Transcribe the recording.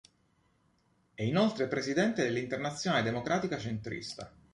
È inoltre presidente dell’Internazionale Democratica Centrista.